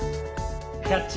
「キャッチ！